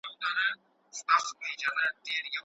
هر یوه خپل په وار راوړي بربادې وې دلته